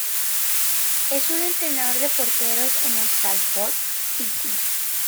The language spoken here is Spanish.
Es entrenador de porteros en el Salford City.